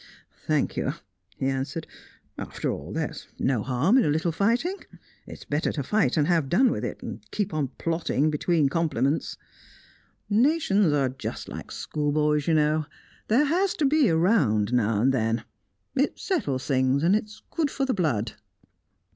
"Thank you," he answered. "And after all, there's no harm in a little fighting. It's better to fight and have done with it than keeping on plotting between compliments. Nations arc just like schoolboys, you know; there has to be a round now and then; it settles things, and is good for the blood."